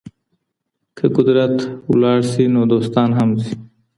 که قدرت ولاړ سي نو دوستان هم ځي.